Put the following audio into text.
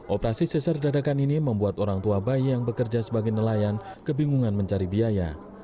operasi sesar dadakan ini membuat orang tua bayi yang bekerja sebagai nelayan kebingungan mencari biaya